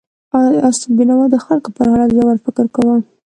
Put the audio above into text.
استاد بینوا د خلکو پر حالت ژور فکر کاوه.